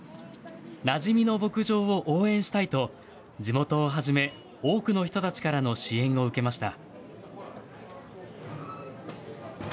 なじみの牧場を応援したいと、地元をはじめ多くの人たちからの支援を受けました。